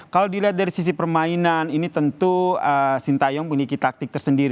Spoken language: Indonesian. kalau dilihat dari sisi permainan ini tentu sintayong memiliki taktik tersendiri